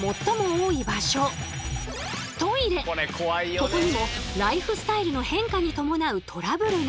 ここにもライフスタイルの変化に伴うトラブルが！